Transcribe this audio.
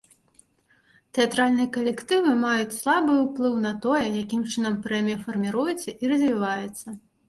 Тэатральныя калектывы маюць слабы ўплыў на тое, якім чынам прэмія фарміруецца і развіваецца.